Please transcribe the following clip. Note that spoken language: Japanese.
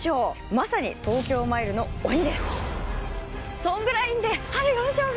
まさに東京マイルの鬼です。